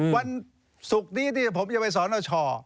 วันศุกร์นี้ที่ผมจะไปสรณช